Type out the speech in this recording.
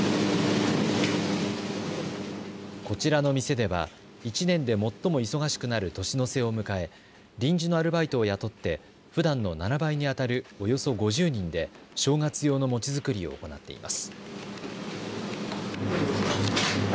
こちらの店では１年で最も忙しくなる年の瀬を迎え臨時のアルバイトを雇ってふだんの７倍に当たるおよそ５０人で正月用の餅作りを行っています。